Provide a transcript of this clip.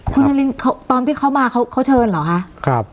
คุณนารินตอนที่เขามาเขาเชิญเหรอคะ